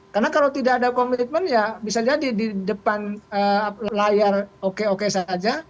karena kalau tidak ada komitmen ya bisa jadi di depan layar oke oke saja